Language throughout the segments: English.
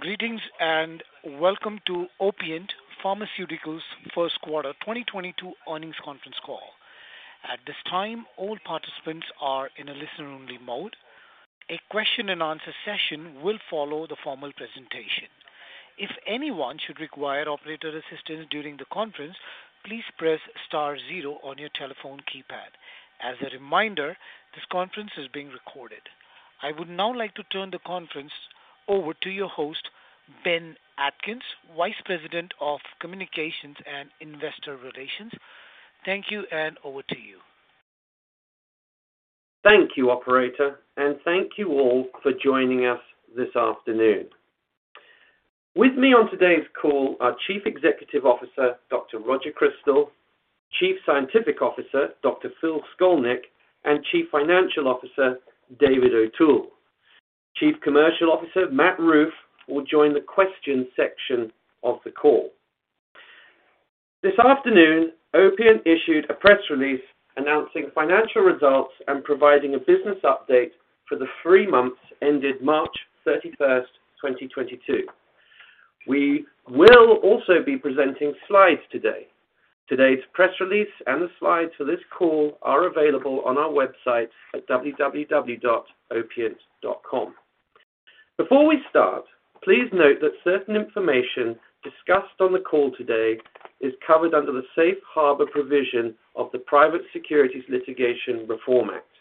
Greetings, and welcome to Opiant Pharmaceuticals' Q1 2022 earnings conference call. At this time, all participants are in a listen-only mode. A question and answer session will follow the formal presentation. If anyone should require operator assistance during the conference, please press star zero on your telephone keypad. As a reminder, this conference is being recorded. I would now like to turn the conference over to your host, Ben Atkins, Vice President of Communications and Investor Relations. Thank you, and over to you. Thank you, operator, and thank you all for joining us this afternoon. With me on today's call are Chief Executive Officer, Dr. Roger Crystal; Chief Scientific Officer, Dr. Phil Skolnick; and Chief Financial Officer, David O'Toole. Chief Commercial Officer Matt Ruth will join the question section of the call. This afternoon, Opiant issued a press release announcing financial results and providing a business update for the three months ended March 31, 2022. We will also be presenting slides today. Today's press release and the slides for this call are available on our website at www.opiant.com. Before we start, please note that certain information discussed on the call today is covered under the safe harbor provision of the Private Securities Litigation Reform Act.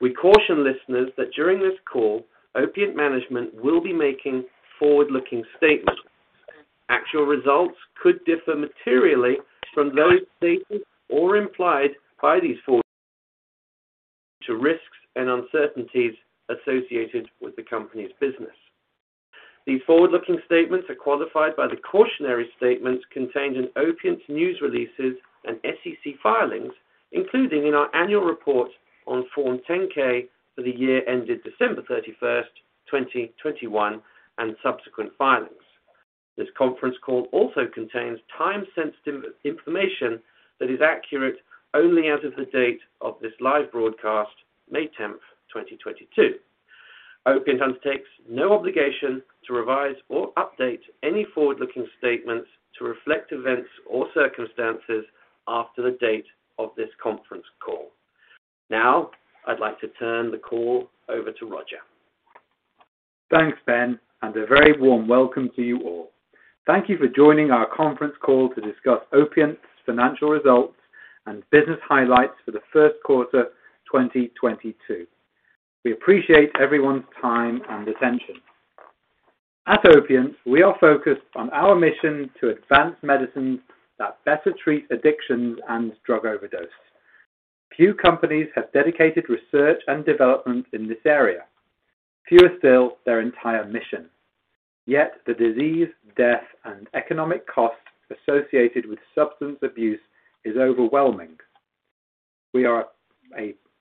We caution listeners that during this call, Opiant management will be making forward-looking statements. Actual results could differ materially from those stated or implied by these forward-looking statements due to risks and uncertainties associated with the company's business. These forward-looking statements are qualified by the cautionary statements contained in Opiant's news releases and SEC filings, including in our annual report on form 10-K for the year ended December 31, 2021 and subsequent filings. This conference call also contains time-sensitive information that is accurate only as of the date of this live broadcast, May 10, 2022. Opiant undertakes no obligation to revise or update any forward-looking statements to reflect events or circumstances after the date of this conference call. Now, I'd like to turn the call over to Roger. Thanks, Ben, and a very warm welcome to you all. Thank you for joining our conference call to discuss Opiant's financial results and business highlights for the Q1 2022. We appreciate everyone's time and attention. At Opiant, we are focused on our mission to advance medicines that better treat addictions and drug overdose. Few companies have dedicated research and development in this area. Fewer still their entire mission. Yet the disease, death, and economic costs associated with substance abuse is overwhelming.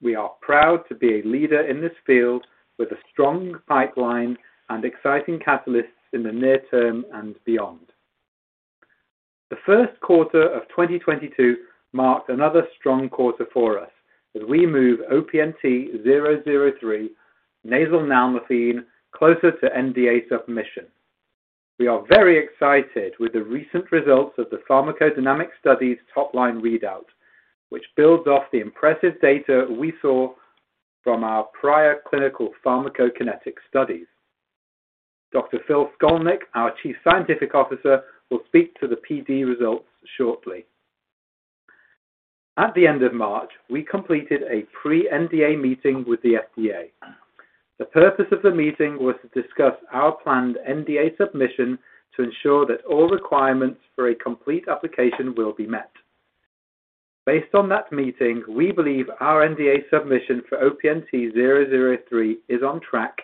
We are proud to be a leader in this field with a strong pipeline and exciting catalysts in the near term and beyond. The Q1 of 2022 marked another strong quarter for us as we move OPNT003 Nasal Nalmefene closer to NDA submission. We are very excited with the recent results of the pharmacodynamic study's top line readout, which builds off the impressive data we saw from our prior clinical pharmacokinetic studies. Dr. Phil Skolnick, our Chief Scientific Officer, will speak to the PD results shortly. At the end of March, we completed a pre-NDA meeting with the FDA. The purpose of the meeting was to discuss our planned NDA submission to ensure that all requirements for a complete application will be met. Based on that meeting, we believe our NDA submission for OPNT003 is on track,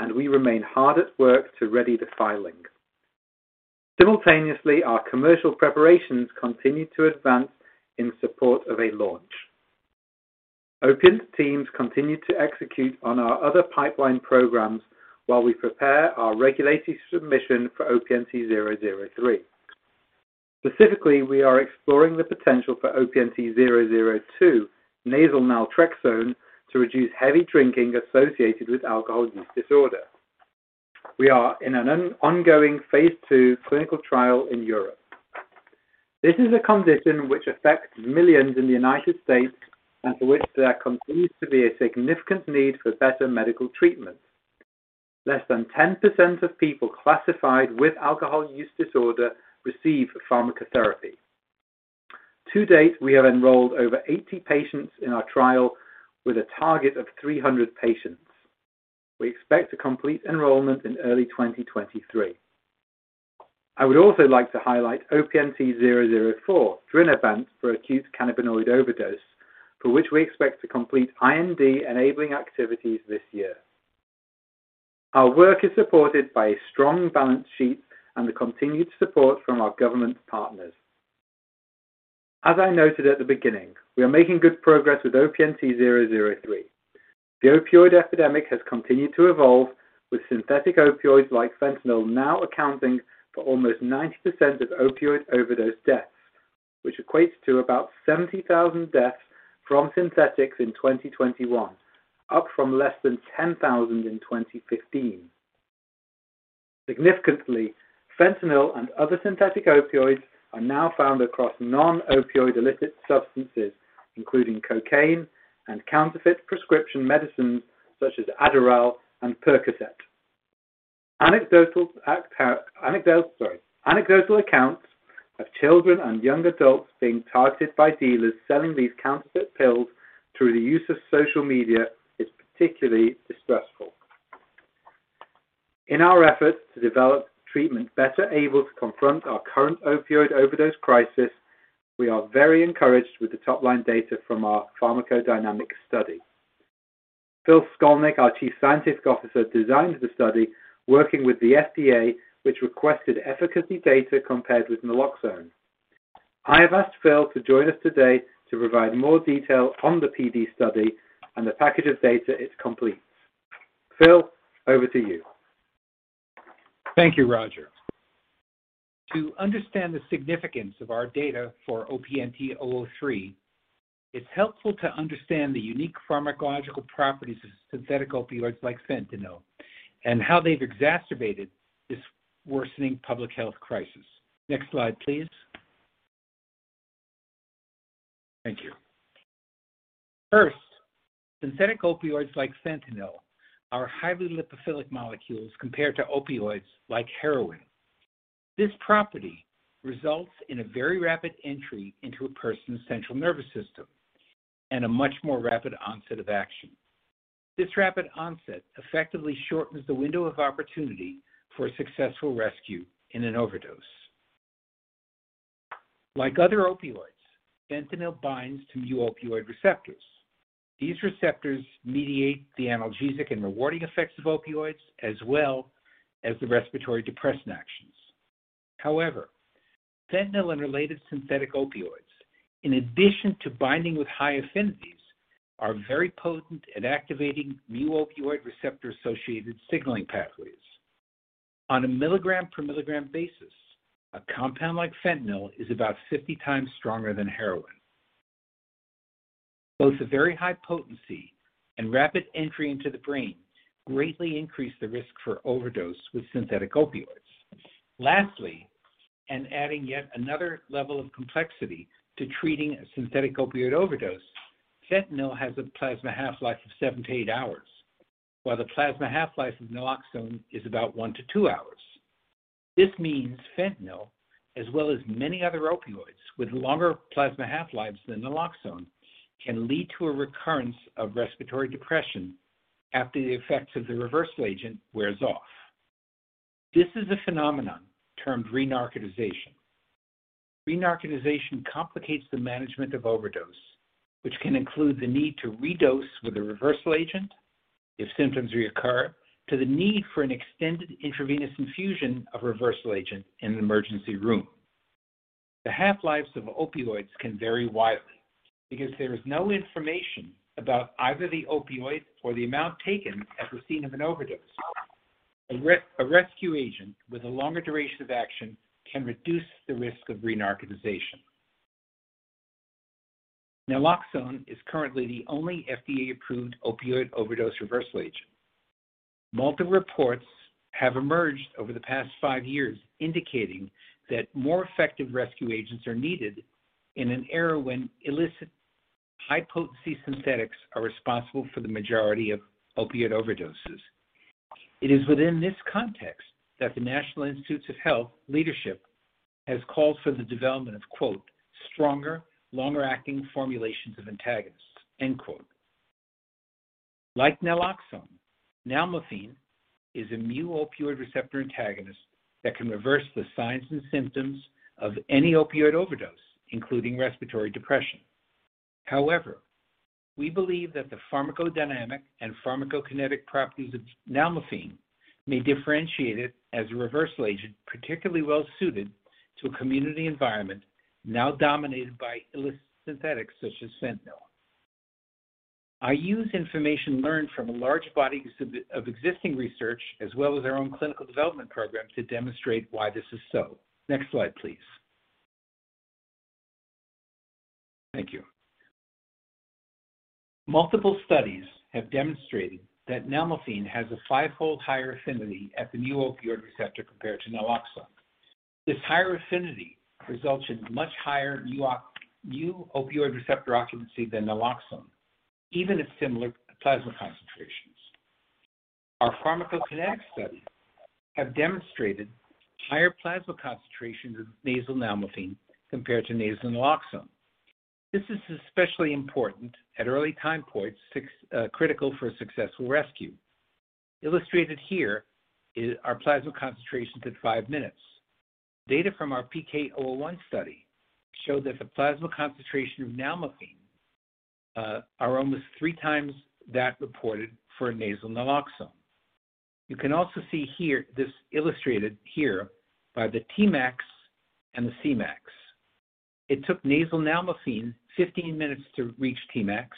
and we remain hard at work to ready the filing. Simultaneously, our commercial preparations continue to advance in support of a launch. Opiant's teams continue to execute on our other pipeline programs while we prepare our regulatory submission for OPNT003. Specifically, we are exploring the potential for OPNT002, nasal Naltrexone, to reduce heavy drinking associated with alcohol use disorder. We are in an ongoing phase 2 clinical trial in Europe. This is a condition which affects millions in the United States and for which there continues to be a significant need for better medical treatment. Less than 10% of people classified with alcohol use disorder receive pharmacotherapy. To date, we have enrolled over 80 patients in our trial with a target of 300 patients. We expect to complete enrollment in early 2023. I would also like to highlight OPNT004, Drinabant, for acute cannabinoid overdose, for which we expect to complete IND-enabling activities this year. Our work is supported by a strong balance sheet and the continued support from our government partners. As I noted at the beginning, we are making good progress with OPNT003. The opioid epidemic has continued to evolve, with synthetic opioids like fentanyl now accounting for almost 90% of opioid overdose deaths, which equates to about 70,000 deaths from synthetics in 2021, up from less than 10,000 in 2015. Significantly, fentanyl and other synthetic opioids are now found across non-opioid illicit substances, including cocaine and counterfeit prescription medicines such as Adderall and Percocet. Anecdotal accounts of children and young adults being targeted by dealers selling these counterfeit pills through the use of social media is particularly distressful. In our effort to develop treatment better able to confront our current opioid overdose crisis, we are very encouraged with the top-line data from our pharmacodynamic study. Phil Skolnick, our Chief Scientific Officer, designed the study working with the FDA, which requested efficacy data compared with naloxone. I have asked Phil to join us today to provide more detail on the PD study and the package of data it completes. Phil, over to you. Thank you, Roger. To understand the significance of our data for OPNT003, it's helpful to understand the unique pharmacological properties of synthetic opioids like fentanyl and how they've exacerbated this worsening public health crisis. Next slide, please. Thank you. First, synthetic opioids like fentanyl are highly lipophilic molecules compared to opioids like heroin. This property results in a very rapid entry into a person's central nervous system and a much more rapid onset of action. This rapid onset effectively shortens the window of opportunity for a successful rescue in an overdose. Like other opioids, fentanyl binds to mu opioid receptors. These receptors mediate the analgesic and rewarding effects of opioids as well as the respiratory depression actions. However, fentanyl and related synthetic opioids in addition to binding with high affinities are very potent at activating mu opioid receptor-associated signaling pathways. On a milligram per milligram basis, a compound like fentanyl is about 50 times stronger than heroin. Both a very high potency and rapid entry into the brain greatly increase the risk for overdose with synthetic opioids. Lastly, and adding yet another level of complexity to treating a synthetic opioid overdose, fentanyl has a plasma half-life of 7-8 hours, while the plasma half-life of naloxone is about 1-2 hours. This means fentanyl, as well as many other opioids with longer plasma half-lives than naloxone can lead to a recurrence of respiratory depression after the effects of the reversal agent wears off. This is a phenomenon termed Renarcotization. Renarcotization complicates the management of overdose, which can include the need to redose with a reversal agent if symptoms reoccur to the need for an extended intravenous infusion of reversal agent in an emergency room. The half-lives of opioids can vary widely because there is no information about either the opioid or the amount taken at the scene of an overdose. A rescue agent with a longer duration of action can reduce the risk of Renarcotization. Naloxone is currently the only FDA-approved opioid overdose reversal agent. Multiple reports have emerged over the past five years indicating that more effective rescue agents are needed in an era when illicit high-potency synthetics are responsible for the majority of opiate overdoses. It is within this context that the National Institutes of Health leadership has called for the development of, quote, stronger, longer-acting formulations of antagonists, end quote. Like naloxone, Nalmefene is a mu opioid receptor antagonist that can reverse the signs and symptoms of any opioid overdose, including respiratory depression. However, we believe that the pharmacodynamic and pharmacokinetic properties of Nalmefene may differentiate it as a reversal agent particularly well suited to a community environment now dominated by illicit synthetics such as fentanyl. I use information learned from a large body of existing research as well as our own clinical development program to demonstrate why this is so. Next slide, please. Thank you. Multiple studies have demonstrated that Nalmefene has a five-fold higher affinity at the mu opioid receptor compared to naloxone. This higher affinity results in much higher mu opioid receptor occupancy than naloxone, even at similar plasma concentrations. Our pharmacokinetic studies have demonstrated higher plasma concentrations of nasal Nalmefene compared to nasal naloxone. This is especially important at early time points, which are critical for a successful rescue. Illustrated here is our plasma concentrations at 5 minutes. Data from our OPNT003-PK-001 study show that the plasma concentration of Nalmefene are almost three times that reported for nasal naloxone. You can also see here, this illustrated by the Tmax and the Cmax. It took nasal Nalmefene 15 minutes to reach Tmax,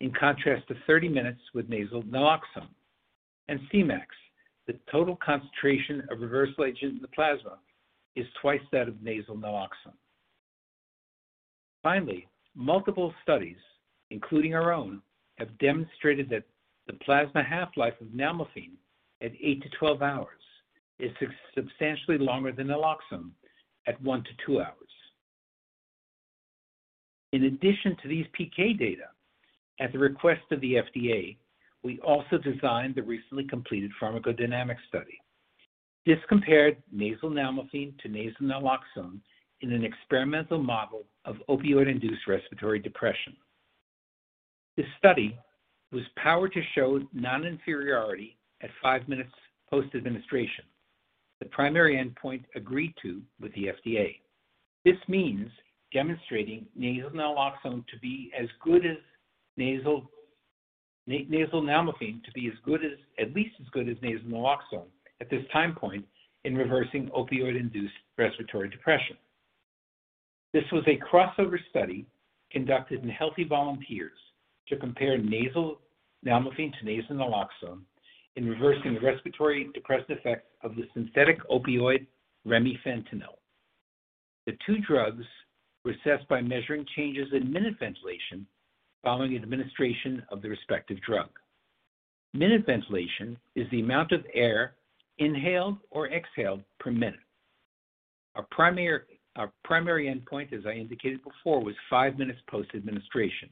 in contrast to 30 minutes with nasal naloxone. Cmax, the total concentration of reversal agent in the plasma, is twice that of nasal naloxone. Finally, multiple studies, including our own, have demonstrated that the plasma half-life of Nalmefene at 8-12 hours is substantially longer than naloxone at 1-2 hours. In addition to these PK data, at the request of the FDA, we also designed the recently completed pharmacodynamic study. This compared nasal Nalmefene to nasal naloxone in an experimental model of opioid-induced respiratory depression. This study was powered to show non-inferiority at five minutes post-administration, the primary endpoint agreed to with the FDA. This means demonstrating nasal Nalmefene to be as good as, at least as good as nasal naloxone at this time point in reversing opioid-induced respiratory depression. This was a crossover study conducted in healthy volunteers to compare nasal Nalmefene to nasal naloxone in reversing the respiratory depressive effects of the synthetic opioid remifentanil. The two drugs were assessed by measuring changes in minute ventilation following administration of the respective drug. Minute ventilation is the amount of air inhaled or exhaled per minute. Our primary endpoint, as I indicated before, was five minutes post-administration.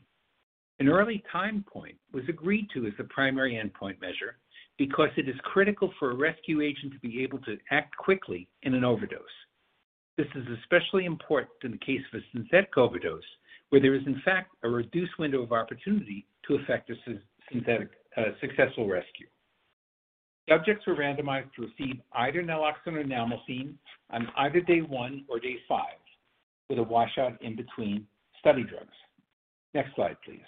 An early time point was agreed to as the primary endpoint measure because it is critical for a rescue agent to be able to act quickly in an overdose. This is especially important in the case of a synthetic overdose, where there is, in fact, a reduced window of opportunity to effect a successful rescue. Subjects were randomized to receive either naloxone or Nalmefene on either day 1 or day 5, with a washout in between study drugs. Next slide, please.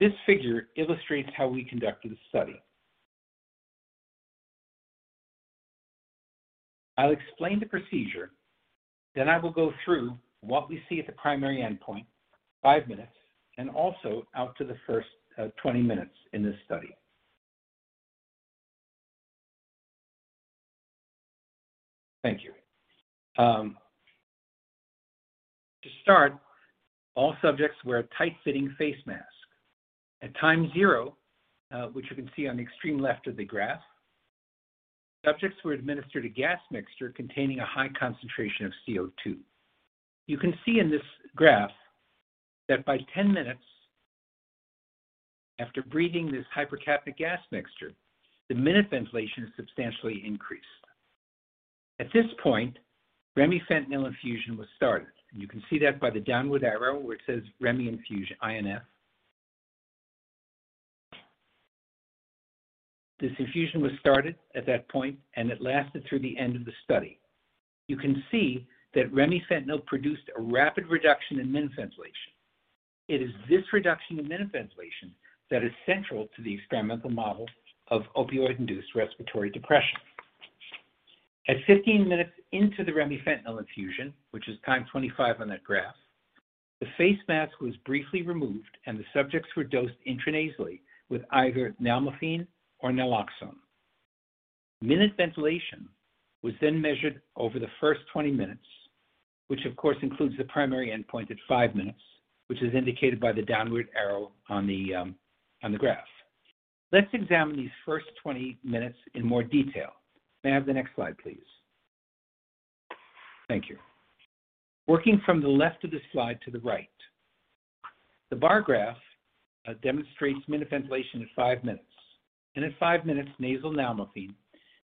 This figure illustrates how we conducted the study. I'll explain the procedure, then I will go through what we see at the primary endpoint, 5 minutes, and also out to the first 20 minutes in this study. Thank you. To start, all subjects wear a tight-fitting face mask. At time zero, which you can see on the extreme left of the graph, subjects were administered a gas mixture containing a high concentration of CO2. You can see in this graph that by 10 minutes after breathing this hypercapnic gas mixture, the minute ventilation substantially increased. At this point, remifentanil infusion was started. You can see that by the downward arrow where it says Remi infusion, INF. This infusion was started at that point, and it lasted through the end of the study. You can see that remifentanil produced a rapid reduction in minute ventilation. It is this reduction in minute ventilation that is central to the experimental model of opioid-induced respiratory depression. At 15 minutes into the remifentanil infusion, which is time 25 on that graph, the face mask was briefly removed, and the subjects were dosed intranasally with either Nalmefene or Naloxone. Minute ventilation was then measured over the first 20 minutes, which of course includes the primary endpoint at 5 minutes, which is indicated by the downward arrow on the graph. Let's examine these first 20 minutes in more detail. May I have the next slide, please? Thank you. Working from the left of the slide to the right, the bar graph demonstrates minute ventilation at 5 minutes. At 5 minutes, nasal Nalmefene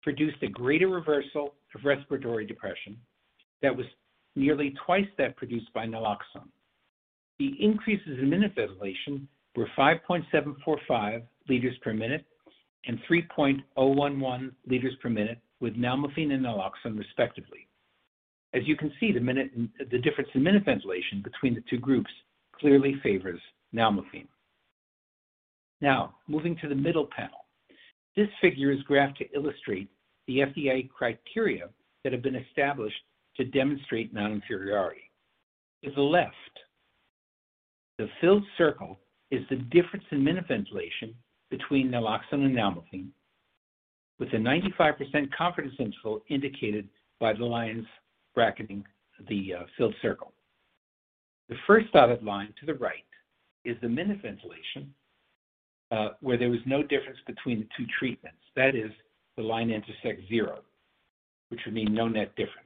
produced a greater reversal of respiratory depression that was nearly twice that produced by naloxone. The increases in minute ventilation were 5.745 liters per minute and 3.11 liters per minute with Nalmefene and naloxone respectively. As you can see, the difference in minute ventilation between the two groups clearly favors Nalmefene. Now, moving to the middle panel. This figure is graphed to illustrate the FDA criteria that have been established to demonstrate non-inferiority. To the left, the filled circle is the difference in minute ventilation between naloxone and Nalmefene, with a 95% confidence interval indicated by the lines bracketing the filled circle. The first dotted line to the right is the minute ventilation where there was no difference between the two treatments. That is, the line intersects zero, which would mean no net difference.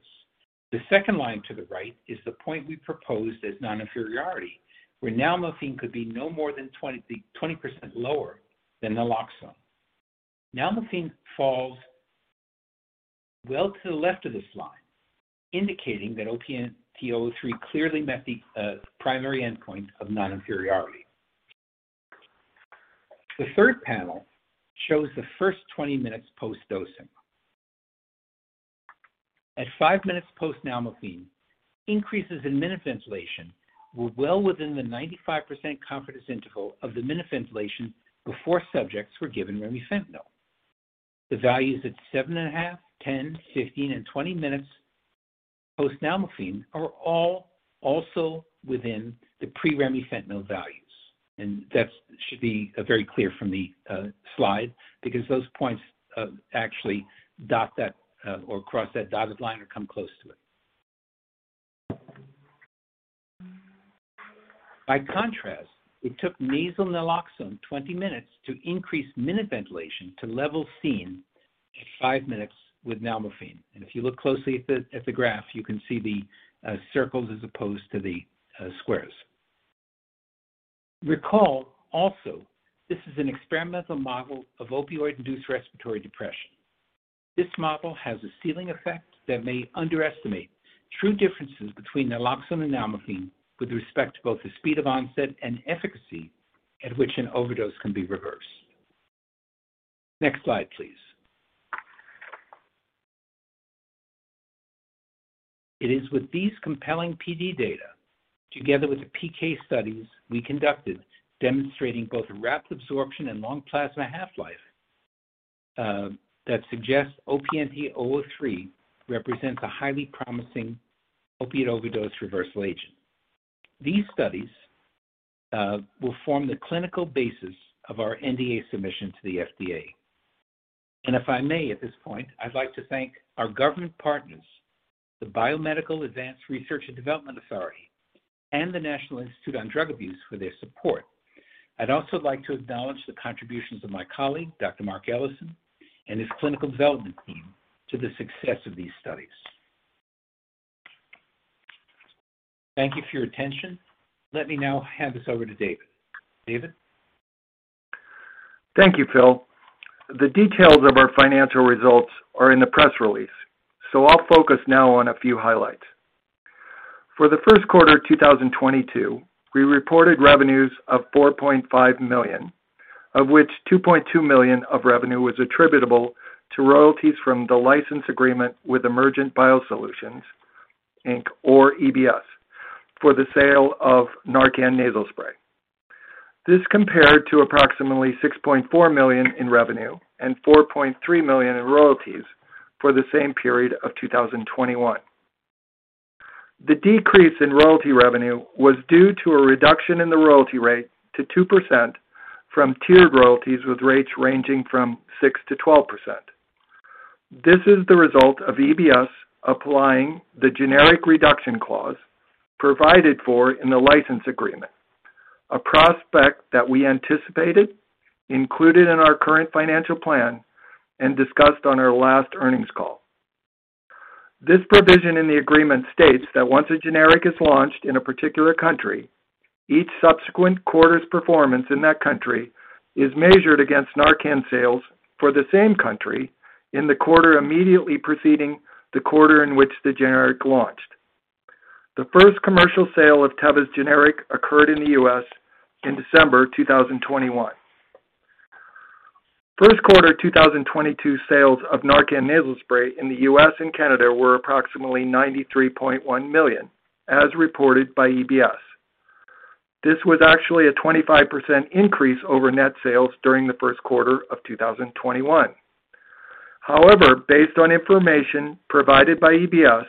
The second line to the right is the point we proposed as non-inferiority, where Nalmefene could be no more than 20% lower than Naloxone. Nalmefene falls well to the left of this line, indicating that OPNT003 clearly met the primary endpoint of non-inferiority. The third panel shows the first 20 minutes post-dosing. At 5 minutes post Nalmefene, increases in minute ventilation were well within the 95% confidence interval of the minute ventilation before subjects were given remifentanil. The values at 7.5, 10, 15, and 20 minutes post Nalmefene are all also within the pre-remifentanil values. That should be very clear from the slide because those points actually dot that or cross that dotted line or come close to it. By contrast, it took nasal naloxone 20 minutes to increase minute ventilation to level seen at 5 minutes with Nalmefene. If you look closely at the graph, you can see the circles as opposed to the squares. Recall also, this is an experimental model of opioid-induced respiratory depression. This model has a ceiling effect that may underestimate true differences between naloxone and Nalmefene with respect to both the speed of onset and efficacy at which an overdose can be reversed. Next slide, please. It is with these compelling PD data, together with the PK studies we conducted demonstrating both rapid absorption and long plasma half-life, that suggests OPNT 003 represents a highly promising opiate overdose reversal agent. These studies will form the clinical basis of our NDA submission to the FDA. If I may, at this point, I'd like to thank our government partners, the Biomedical Advanced Research and Development Authority, and the National Institute on Drug Abuse for their support. I'd also like to acknowledge the contributions of my colleague, Dr. Mark Ellison, and his clinical development team to the success of these studies. Thank you for your attention. Let me now hand this over to David. David? Thank you, Phil. The details of our financial results are in the press release, so I'll focus now on a few highlights. For the Q1 of 2022, we reported revenues of $4.5 million, of which $2.2 million of revenue was attributable to royalties from the license agreement with Emergent BioSolutions, Inc., or EBS, for the sale of Narcan nasal spray. This compared to approximately $6.4 million in revenue and $4.3 million in royalties for the same period of 2021. The decrease in royalty revenue was due to a reduction in the royalty rate to 2% from tiered royalties with rates ranging from 6% to 12%. This is the result of EBS applying the generic reduction clause provided for in the license agreement, a prospect that we anticipated, included in our current financial plan, and discussed on our last earnings call. This provision in the agreement states that once a generic is launched in a particular country, each subsequent quarter's performance in that country is measured against NARCAN sales for the same country in the quarter immediately preceding the quarter in which the generic launched. The first commercial sale of Teva's generic occurred in the US in December 2021. Q1 2022 sales of NARCAN nasal spray in the US and Canada were approximately $93.1 million, as reported by EBS. This was actually a 25% increase over net sales during the Q1 of 2021. However, based on information provided by EBS,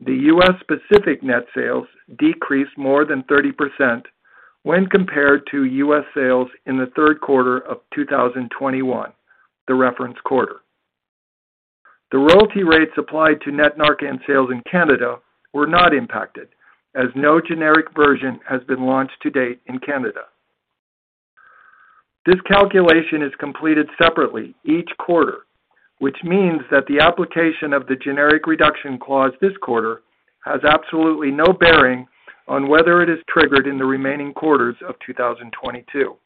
the U.S. NARCAN net sales decreased more than 30% when compared to U.S. sales in the Q3 of 2021, the reference quarter. The royalty rates applied to net NARCAN sales in Canada were not impacted, as no generic version has been launched to date in Canada. This calculation is completed separately each quarter, which means that the application of the generic reduction clause this quarter has absolutely no bearing on whether it is triggered in the remaining quarters of 2022.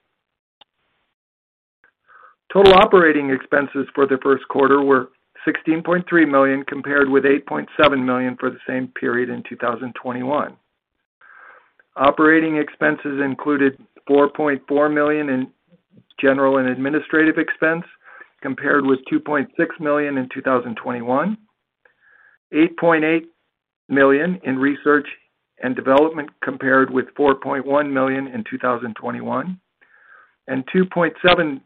Total operating expenses for the first quarter were $16.3 million, compared with $8.7 million for the same period in 2021. Operating expenses included $4.4 million in general and administrative expense, compared with $2.6 million in 2021, $8.8 million in research and development, compared with $4.1 million in 2021, and $2.7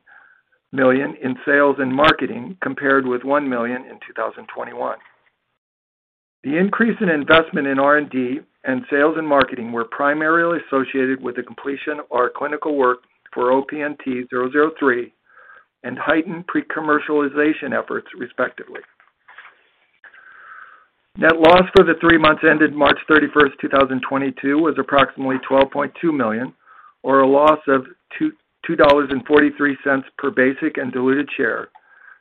million in sales and marketing, compared with $1 million in 2021. The increase in investment in R&D and sales and marketing were primarily associated with the completion of our clinical work for OPNT003 and heightened pre-commercialization efforts, respectively. Net loss for the three months ended March 31, 2022 was approximately $12.2 million or a loss of $2.43 per basic and diluted share,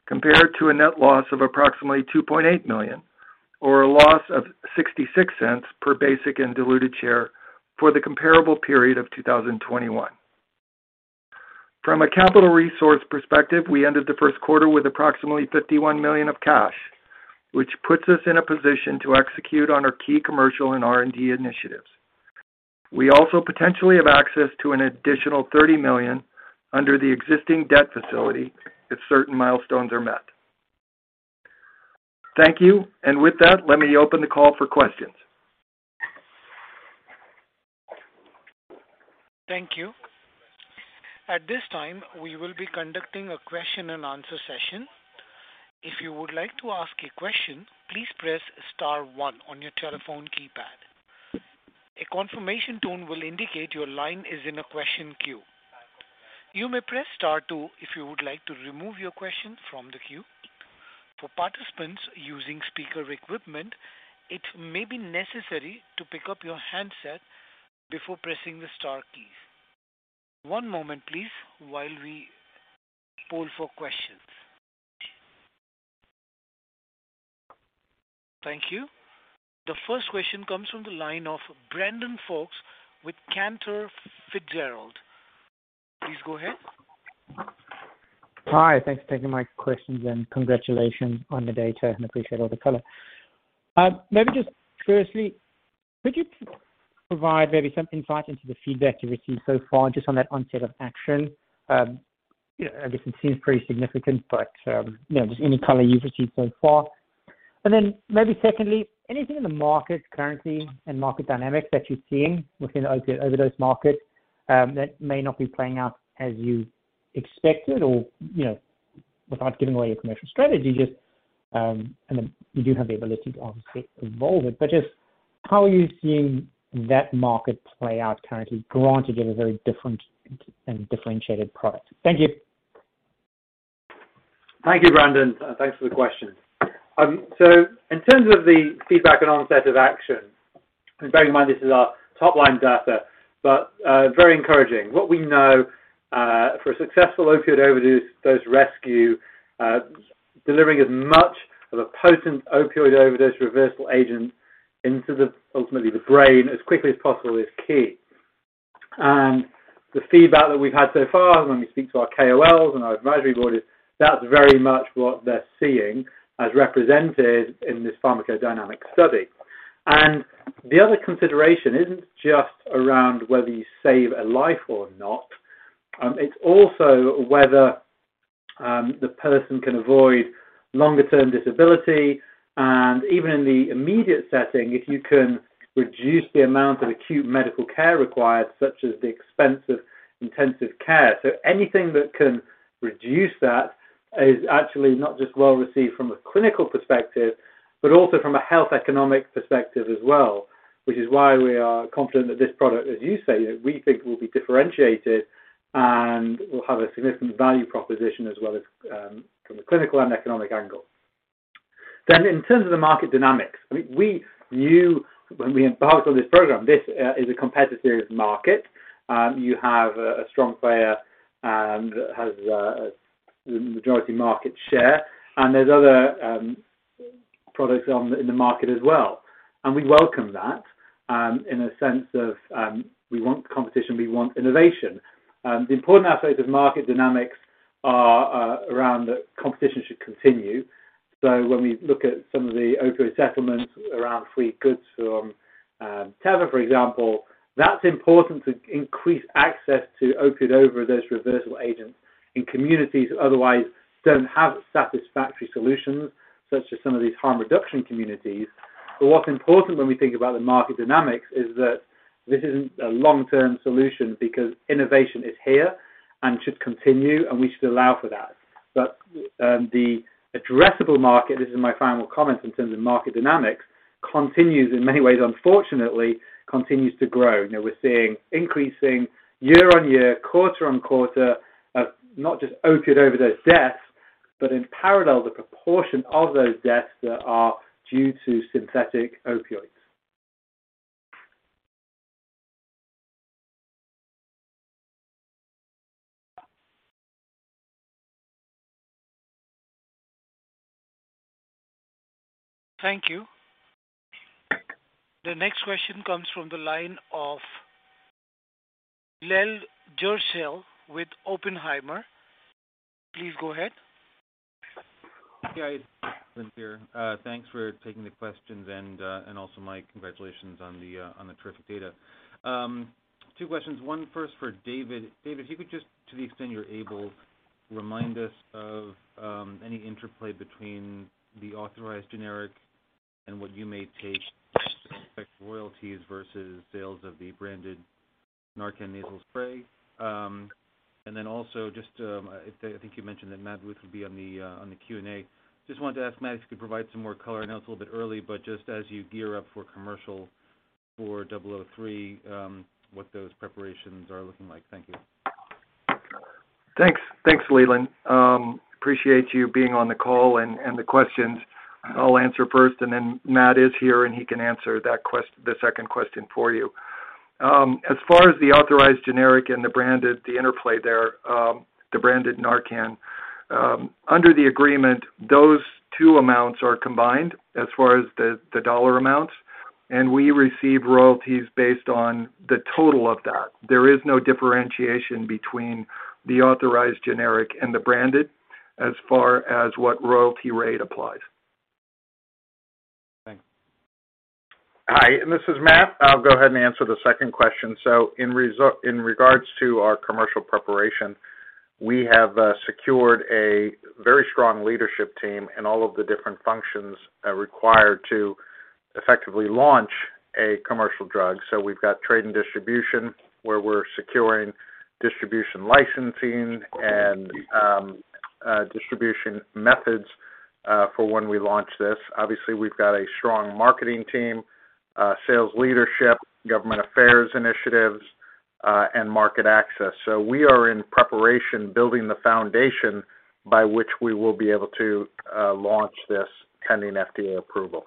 compared to a net loss of approximately $2.8 million or a loss of $0.66 per basic and diluted share for the comparable period of 2021. From a capital resource perspective, we ended the first quarter with approximately $51 million of cash, which puts us in a position to execute on our key commercial and R&D initiatives. We also potentially have access to an additional $30 million under the existing debt facility if certain milestones are met. Thank you. With that, let me open the call for questions. Thank you. At this time, we will be conducting a question and answer session. If you would like to ask a question, please press star one on your telephone keypad. A confirmation tone will indicate your line is in a question queue. You may press star two if you would like to remove your question from the queue. For participants using speaker equipment, it may be necessary to pick up your handset before pressing the star keys. One moment, please, while we poll for questions. Thank you. The first question comes from the line of Brandon Folkes with Cantor Fitzgerald. Please go ahead. Hi. Thanks for taking my questions, and congratulations on the data and appreciate all the color. Maybe just firstly, could you provide maybe some insight into the feedback you've received so far just on that onset of action? I guess it seems pretty significant, but, you know, just any color you've received so far. Maybe secondly, anything in the market currently and market dynamics that you're seeing within the opioid overdose market, that may not be playing out as you expected or, you know, without giving away your commercial strategy just, and you do have the ability to obviously evolve it. Just how are you seeing that market play out currently, granted you have a very different and differentiated product? Thank you. Thank you, Brandon. Thanks for the question. So in terms of the feedback and onset of action, and bear in mind, this is our top-line data, but very encouraging. What we know for a successful opioid overdose dose rescue, delivering as much of a potent opioid overdose reversal agent into the, ultimately the brain as quickly as possible is key. The feedback that we've had so far when we speak to our KOLs and our advisory board is that's very much what they're seeing as represented in this pharmacodynamic study. The other consideration isn't just around whether you save a life or not. It's also whether the person can avoid longer-term disability and even in the immediate setting if you can reduce the amount of acute medical care required, such as the expensive intensive care. Anything that can reduce that is actually not just well received from a clinical perspective, but also from a health economic perspective as well. Which is why we are confident that this product, as you say, that we think will be differentiated and will have a significant value proposition as well as from the clinical and economic angle. In terms of the market dynamics, we knew when we embarked on this program, this is a competitive market. You have a strong player that has the majority market share, and there's other products in the market as well. We welcome that in a sense of we want competition, we want innovation. The important aspects of market dynamics are around that competition should continue. When we look at some of the opioid settlements around free goods from, Teva, for example, that's important to increase access to opioid overdose reversal agents in communities that otherwise don't have satisfactory solutions, such as some of these harm reduction communities. What's important when we think about the market dynamics is that this isn't a long-term solution because innovation is here and should continue, and we should allow for that. The addressable market, this is my final comment in terms of market dynamics, continues in many ways, unfortunately, continues to grow. You know, we're seeing increasing year-on-year, quarter-on-quarter of not just opioid overdose deaths, but in parallel the proportion of those deaths that are due to synthetic opioids. Thank you. The next question comes from the line of Leland Gershell with Oppenheimer. Please go ahead. Leland here. Thanks for taking the questions and also my congratulations on the terrific data. Two questions. One first for David. David, if you could just to the extent you're able, remind us of any interplay between the authorized generic and what you may take with respect to royalties versus sales of the branded NARCAN nasal spray. And then also just, I think you mentioned that Matt Ruth would be on the Q&A. Just wanted to ask Matt if you could provide some more color. I know it's a little bit early, but just as you gear up for commercial for zero zero three, what those preparations are looking like. Thank you. Thanks. Thanks, Leland. Appreciate you being on the call and the questions. I'll answer first and then Matt is here, and he can answer the second question for you. As far as the authorized generic and the branded, the interplay there, the branded NARCAN. Under the agreement, those two amounts are combined as far as the dollar amounts, and we receive royalties based on the total of that. There is no differentiation between the authorized generic and the branded as far as what royalty rate applies. Thanks. Hi, this is Matt. I'll go ahead and answer the second question. In regards to our commercial preparation, we have secured a very strong leadership team in all of the different functions required to Effectively launch a commercial drug. We've got trade and distribution, where we're securing distribution licensing and distribution methods for when we launch this. Obviously, we've got a strong marketing team, sales leadership, government affairs initiatives, and market access. We are in preparation, building the foundation by which we will be able to launch this pending FDA approval.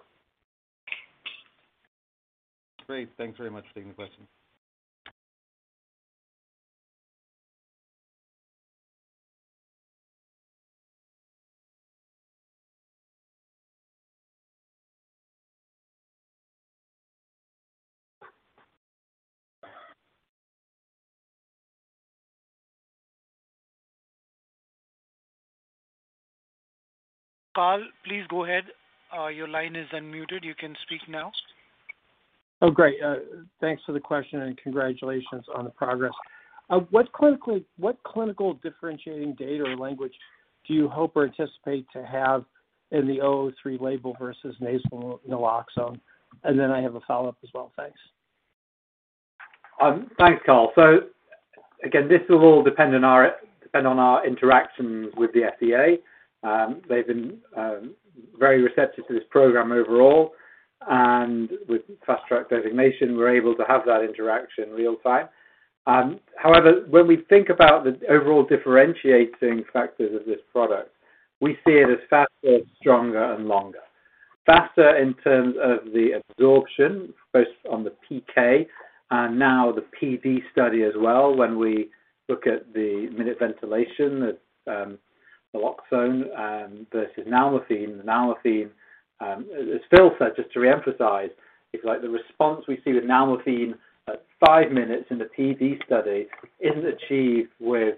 Great. Thanks very much for taking the question. Carl, please go ahead. Your line is unmuted. You can speak now. Oh, great. Thanks for the question, and congratulations on the progress. What clinical differentiating data or language do you hope or anticipate to have in the zero zero three label versus nasal Naloxone? I have a follow-up as well. Thanks. Thanks, Carl. Again, this will all depend on our interactions with the FDA. They've been very receptive to this program overall. With Fast Track designation, we're able to have that interaction real-time. However, when we think about the overall differentiating factors of this product, we see it as faster, stronger, and longer. Faster in terms of the absorption, both on the PK and now the PD study as well, when we look at the minute ventilation of Naloxone versus Nalmefene. Nalmefene, as Phil said, just to reemphasize, it's like the response we see with Nalmefene at 5 minutes in the PD study isn't achieved with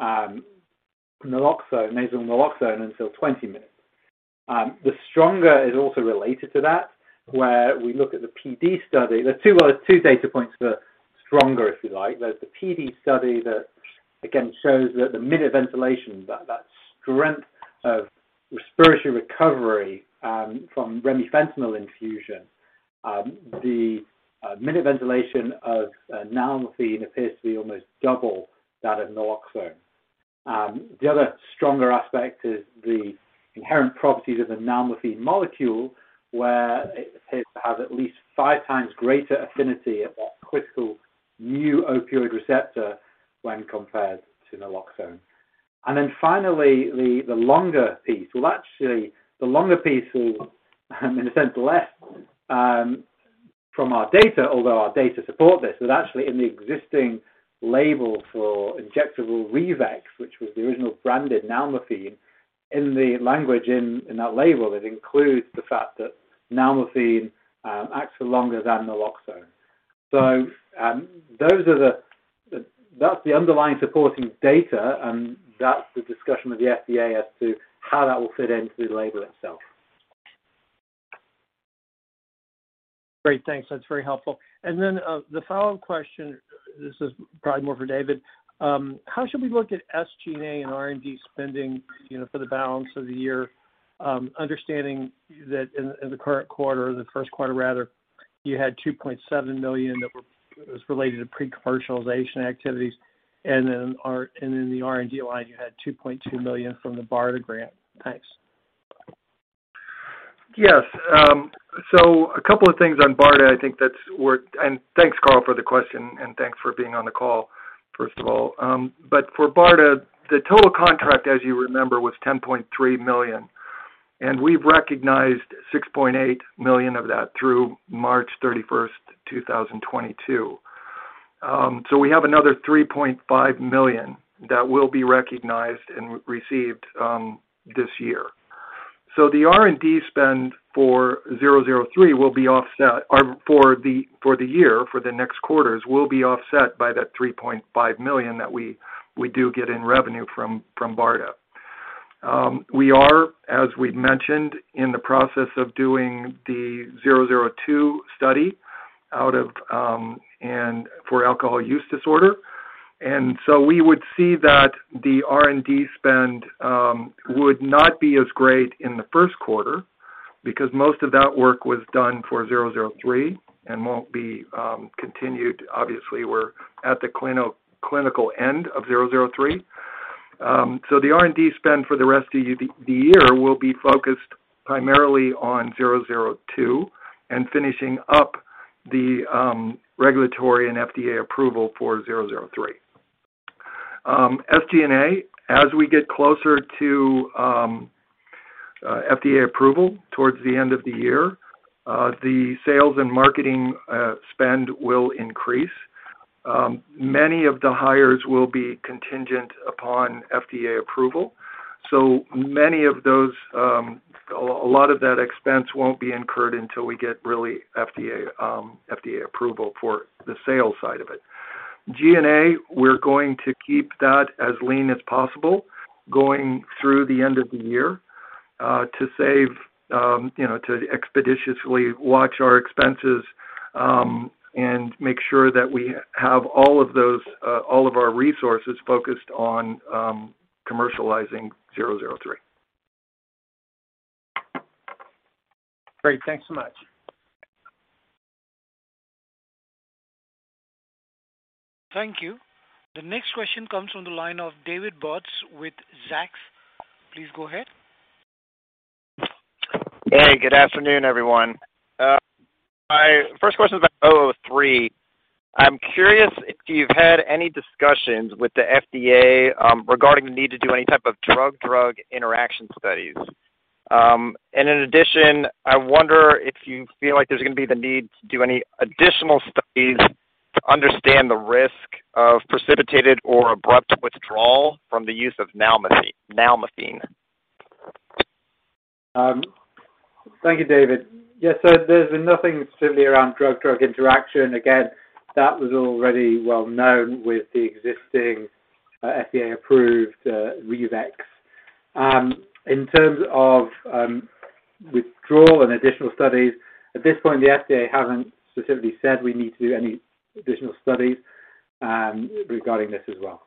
Naloxone, nasal Naloxone until 20 minutes. The stronger is also related to that, where we look at the PD study. There are two data points for stronger, if you like. There's the PD study that again shows that the minute ventilation, that strength of respiratory recovery, from remifentanil infusion, the minute ventilation of Nalmefene appears to be almost double that of naloxone. The other stronger aspect is the inherent properties of the Nalmefene molecule, where it appears to have at least five times greater affinity at that critical mu opioid receptor when compared to naloxone. Finally, the longer piece. Well, actually the longer piece will, in a sense, less, from our data, although our data support this. Actually in the existing label for injectable Revex, which was the original branded Nalmefene, in the language in that label, it includes the fact that Nalmefene acts for longer than Naloxone. That's the underlying supporting data, and that's the discussion with the FDA as to how that will fit into the label itself. Great. Thanks. That's very helpful. Then, the follow-up question, this is probably more for David. How should we look at SG&A and R&D spending, you know, for the balance of the year, understanding that in the current quarter, or the first quarter rather, you had $2.7 million that was related to pre-commercialization activities. In the R&D line, you had $2.2 million from the BARDA grant. Thanks. Yes. A couple of things on BARDA. Thanks, Carl, for the question, and thanks for being on the call, first of all. For BARDA, the total contract, as you remember, was $10.3 million, and we've recognized $6.8 million of that through March 31, 2022. We have another $3.5 million that will be recognized and received this year. The R&D spend for 003 for the year, for the next quarters, will be offset by that $3.5 million that we do get in revenue from BARDA. We are, as we've mentioned, in the process of doing the 002 study for alcohol use disorder. We would see that the R&D spend would not be as great in the Q1 because most of that work was done for 003 and won't be continued. Obviously, we're at the clinical end of 003. The R&D spend for the rest of the year will be focused primarily on 002 and finishing up the regulatory and FDA approval for 003. SG&A, as we get closer to FDA approval towards the end of the year, the sales and marketing spend will increase. Many of the hires will be contingent upon FDA approval. Many of those, a lot of that expense won't be incurred until we get FDA approval for the sales side of it. G&A, we're going to keep that as lean as possible going through the end of the year, to save, you know, to expeditiously watch our expenses. Make sure that we have all of those, all of our resources focused on commercializing 003. Great. Thanks so much. Thank you. The next question comes from the line of David Bautz with Zacks. Please go ahead. Hey, good afternoon, everyone. My first question is about OPNT003. I'm curious if you've had any discussions with the FDA regarding the need to do any type of drug-drug interaction studies. In addition, I wonder if you feel like there's gonna be the need to do any additional studies to understand the risk of precipitated or abrupt withdrawal from the use of Nalmefene. Thank you, David. Yes. There's been nothing specifically around drug-drug interaction. Again, that was already well known with the existing FDA-approved Revex. In terms of withdrawal and additional studies, at this point the FDA hasn't specifically said we need to do any additional studies regarding this as well.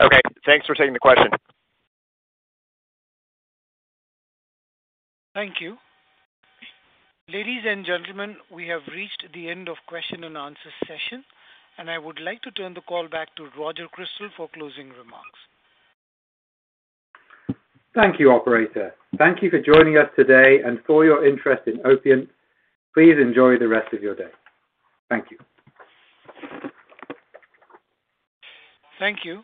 Okay. Thanks for taking the question. Thank you. Ladies and gentlemen, we have reached the end of question and answer session, and I would like to turn the call back to Roger Crystal for closing remarks. Thank you, operator. Thank you for joining us today and for your interest in Opiant. Please enjoy the rest of your day. Thank you. Thank you.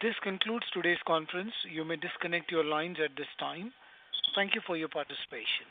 This concludes today's conference. You may disconnect your lines at this time. Thank you for your participation.